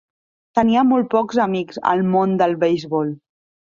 Tenia molt pocs amics al món del beisbol.